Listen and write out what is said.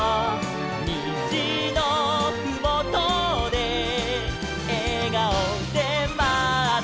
「にじのふもとでえがおでまってるきみがいる」